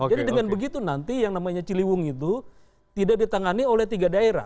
jadi dengan begitu nanti yang namanya ciliwung itu tidak ditangani oleh tiga daerah